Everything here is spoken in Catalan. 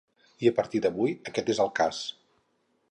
I, a partir d’avui, aquest és el cas.